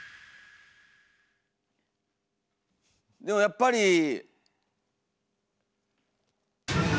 でもやっぱり。